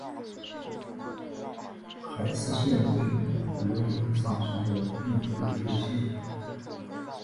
海斯县位美国德克萨斯州中南部的一个县。